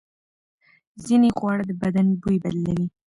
ځینې خواړه د بدن بوی بدلوي.